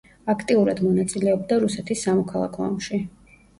აქტიურად მონაწილეობდა რუსეთის სამოქალაქო ომში.